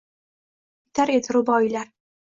Bitar edi ruboiylar